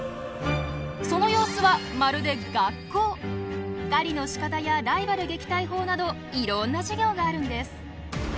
その様子は狩りのしかたやライバル撃退法などいろんな授業があるんです。